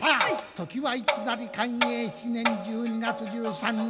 時はいつなり寛永７年１２月１３日。